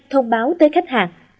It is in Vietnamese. thông báo tới khách hàng